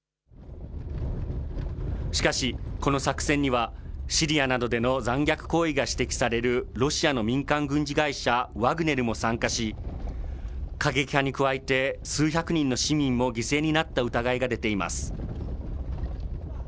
しかしこの作戦には、シリアなどでの残虐行為が指摘される、ロシアの民間軍事会社、ワグネルも参加し、過激派に加えて、数百人の市民も犠牲になった疑いが出ています。